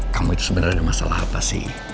kamu itu sebenarnya ada masalah apa sih